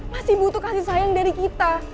masih butuh kasih sayang dari kita